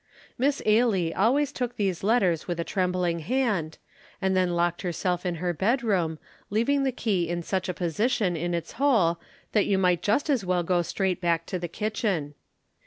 Miss Ailie always took these letters with a trembling hand, and then locked herself in her bedroom, leaving the key in such a position in its hole that you might just as well go straight back to the kitchen.